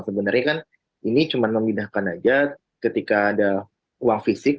sebenarnya kan ini cuma memindahkan aja ketika ada uang fisik